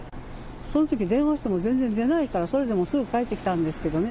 そのとき電話しても全然でないから、それでもうすぐ帰ってきたんですけどね。